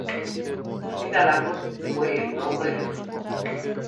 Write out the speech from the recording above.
Justina Lagos fue el nombre de su esposa.